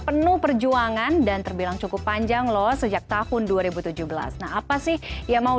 penuh perjuangan dan terbilang cukup panjang loh sejak tahun dua ribu tujuh belas nah apa sih yang mau